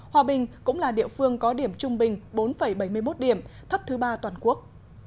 hòa bình cũng là địa phương có điểm trung bình bốn bảy mươi một điểm thấp thứ ba toàn quốc